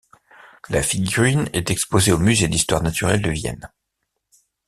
La figurine est exposée au musée d'histoire naturelle de Vienne.